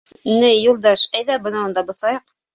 — Ни, Юлдаш, әйҙә, бынауында боҫайыҡ.